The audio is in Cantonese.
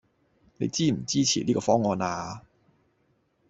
你支唔支持呢個方案呀